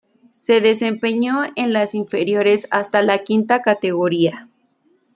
Se desempeñó en las inferiores hasta la quinta categoría.